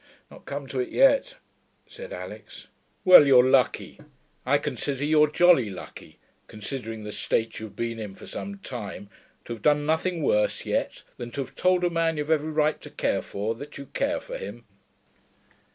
'Not come to it yet,' said Alix. 'Well, you're lucky. I consider you're jolly lucky, considering the state you've been in for some time, to have done nothing worse yet than to have told a man you've every right to care for that you care for him.'